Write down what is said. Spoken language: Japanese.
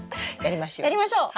やりましょう。